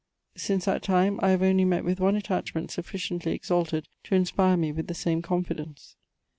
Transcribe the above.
Since that time I have only met with one attachment sufficiently exalted to inspire me with the same confidence.